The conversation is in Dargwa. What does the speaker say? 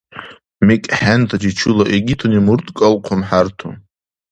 МикӀхӀентани чула игитуни мурткӀал хъумхӀерту.